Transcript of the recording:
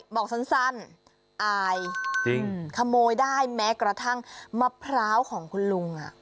บอกสั้นอายจริงขโมยได้แม้กระทั่งมะพร้าวของคุณลุง